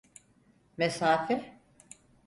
Mesafe?